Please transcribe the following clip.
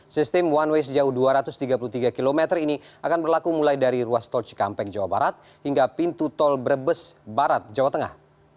sistem one way sejauh dua ratus tiga puluh tiga km ini akan berlaku mulai dari ruas tol cikampek jawa barat hingga pintu tol brebes barat jawa tengah